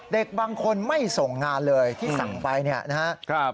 เด็กบางคนไม่ส่งงานเลยที่สั่งไปเนี่ยนะครับ